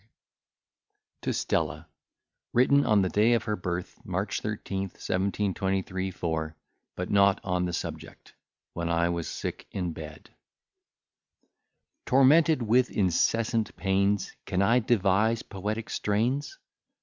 ] TO STELLA WRITTEN ON THE DAY OF HER BIRTH, MARCH 13, 1723 4, BUT NOT ON THE SUBJECT, WHEN I WAS SICK IN BED Tormented with incessant pains, Can I devise poetic strains?